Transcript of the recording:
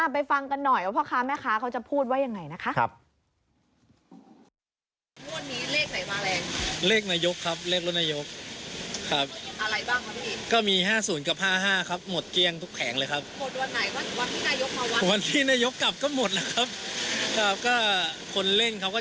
ไปฟังกันหน่อยว่าพ่อค้าแม่ค้าเขาจะพูดว่ายังไงนะคะ